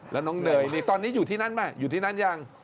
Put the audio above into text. แล้วน้องเนยนี่ตอนนี้อยู่ที่นั่นไหมอยู่ที่นั่นยัง